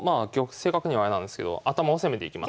正確にはあれなんですけど頭を攻めていきます。